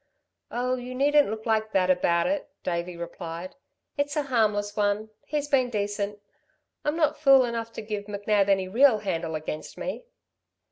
"Oh, you needn't look like that about it," Davey replied. "It's a harmless one. He's been decent. I'm not fool enough to give McNab any real handle against me."